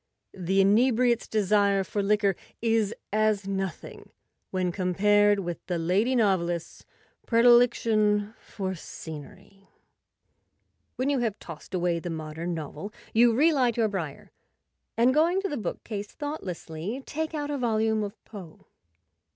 The inebriate's desire for liquor is as nothing when compared with the lady novelist's predilection for scenery. When you have tossed away the modern novel you re light your briar, and, going to the bookcase thoughtlessly, take out a volume of Poe.